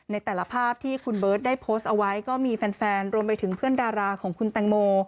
ในแต่ละภาพที่คุณเบิร์ตได้โพสต์เอาไว้ก็มีแฟนรวมไปถึงเพื่อนดาราของคุณแตงโม